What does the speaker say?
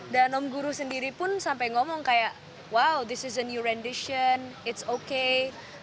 dan om guru sendiri pun sampai ngomong kayak wow this is a new rendition it's okay